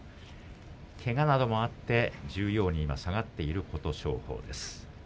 けがなどがあって、現在十両に下がっている琴勝峰です。